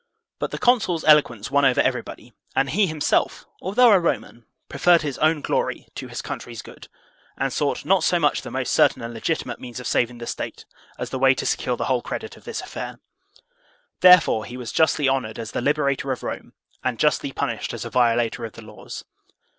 But the consul's eloquence won over everybody; and he himself, although a Roman, preferred his own glory to his country's good, and sought not so much the most certain and legitimate means of saving the State as the way to secure the whole credit of this affair.* Therefore he was justly honored as the liberator of Rome and justly punished as a violator of the laws.